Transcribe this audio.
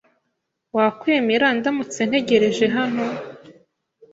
Wakwemera ndamutse ntegereje hano?